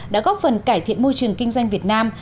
đã góp phần cải thiện môi trường kinh doanh việt nam